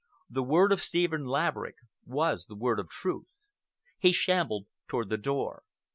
The word of Stephen Laverick was the word of truth. He shambled toward the door.